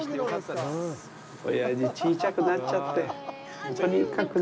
おやじ、ちいちゃくなっちゃって。